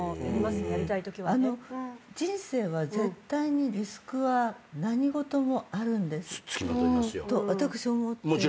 あの人生は絶対にリスクは何事もあるんです。と私思ってるんです。